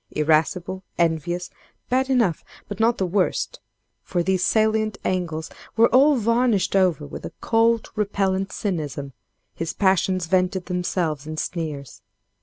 Irascible, envious—bad enough, but not the worst, for these salient angles were all varnished over with a cold, repellant cynicism, his passions vented themselves in sneers.